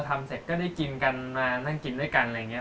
ทำเสร็จก็ได้กินกันมานั่งกินด้วยกันอะไรอย่างนี้